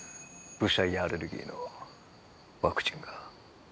ぶしゃ家アレルギーのワクチンが。